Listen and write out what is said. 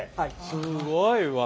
すごいわ。